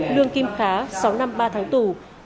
lương kim khá sáu năm ba tháng tù